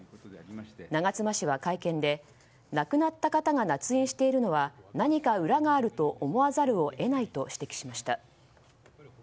長妻氏は会見で亡くなった方が捺印しているのは何か裏があると思わざるを得ないと指摘しました。